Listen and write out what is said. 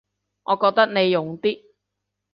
我覺得你勇啲